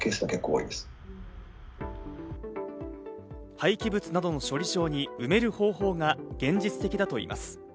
廃棄物などの処理場に埋める方法が現実的だといいます。